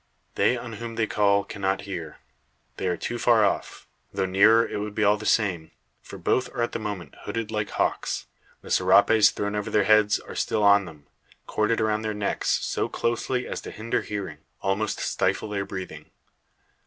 They on whom they call cannot hear. They are too far off; though nearer, it would be all the same; for both are at the moment hooded like hawks. The serapes thrown over their heads are still on them, corded around their necks, so closely as to hinder hearing, almost stifle their breathing.